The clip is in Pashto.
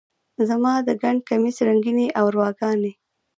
زما د ګنډ کمیس رنګینې ارواګانې،